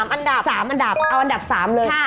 อันดับ๓อันดับเอาอันดับ๓เลย